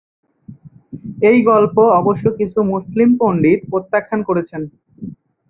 এই গল্প অবশ্য কিছু মুসলিম পণ্ডিত প্রত্যাখ্যান করেছেন।